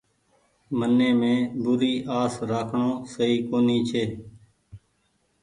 من مين بوري آس رآکڻو سئي ڪونيٚ ڇي۔